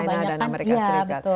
china dan amerika serikat